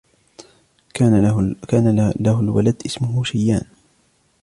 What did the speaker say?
كان له الولد اسمه شيان